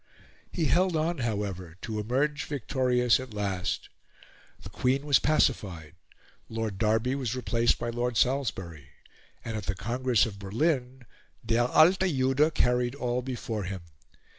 He held on, however, to emerge victorious at last. The Queen was pacified; Lord Derby was replaced by Lord Salisbury; and at the Congress of Berlin der alte Jude carried all before him.